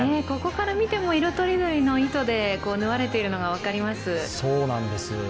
ここから見ても色とりどりの糸で縫われているのが分かります。